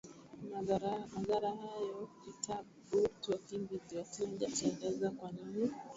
na madhara hayo Kitabu Talking With Your Teenager chaeleza kwa nini